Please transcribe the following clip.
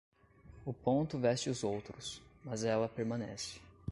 O ponto veste os outros, mas ela permanece.